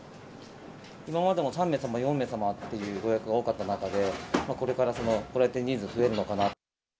今までも３名様、４名様というご予約が多かった中で、これからご来店人数、増えるのかな。